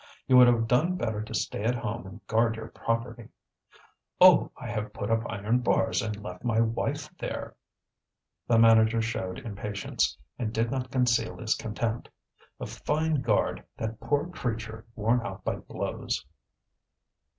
"You would have done better to stay at home and guard your property." "Oh! I have put up iron bars and left my wife there." The manager showed impatience, and did not conceal his contempt. A fine guard, that poor creature worn out by blows!